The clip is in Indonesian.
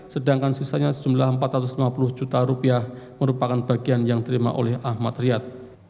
sedangkan sisanya sejumlah empat ratus lima puluh juta rupiah merupakan bagian yang diterima oleh ahmad riyad